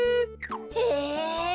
へえ。